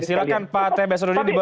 silahkan pak pb hasan udin